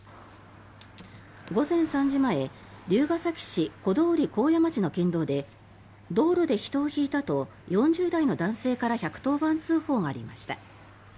午前３時前龍ケ崎市小通幸谷町の県道で道路で人をひいたと４０代の男性から１１０番通報がありました。